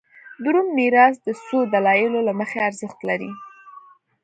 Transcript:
د روم میراث د څو دلایلو له مخې ارزښت لري